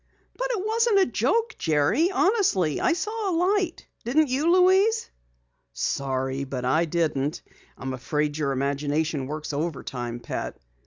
"But it wasn't a joke, Jerry. Honestly, I saw a light. Didn't you, Louise?" "Sorry, but I didn't. I'm afraid your imagination works overtime, Pet."